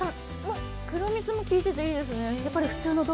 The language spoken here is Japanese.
黒蜜も効いてていいですね。